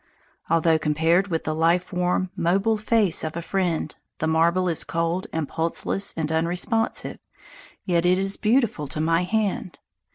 Although, compared with the life warm, mobile face of a friend, the marble is cold and pulseless and unresponsive, yet it is beautiful to my hand.